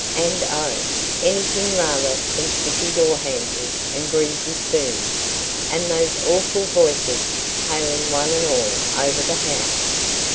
And oh, anything rather than sticky door handles and greasy spoons, and those awful voices hailing one all over the house!"